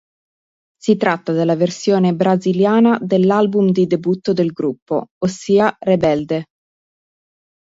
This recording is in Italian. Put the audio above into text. Si tratta della versione brasiliana dell'album di debutto del gruppo, ossia "Rebelde".